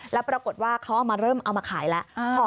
แล้วปรากฏว่าเขาเอามาเริ่มเอามาขายแล้ว